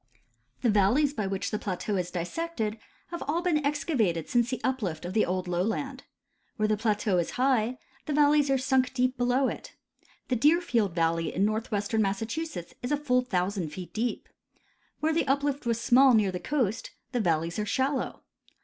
The valleys by which the plateau is dissected have all been excavated since the uplift of the old lowland. Where the plateau is high the valleys are sunk deep below it. The Deerfield valley in northwestern Massachusetts is a full thousand feet deep. Where the uplift was small near the coast, the valleys are shallow.